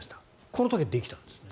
この時はできたんですね。